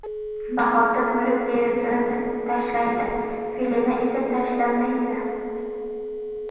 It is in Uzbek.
• Bahorda bo‘ri terisini tashlaydi, fe’lini esa tashlamaydi.